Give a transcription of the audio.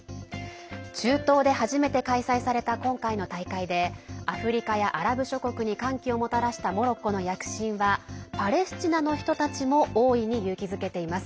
中東で初めて開催された今回の大会でアフリカやアラブ諸国に歓喜をもたらしたモロッコの躍進はパレスチナの人たちも大いに勇気づけています。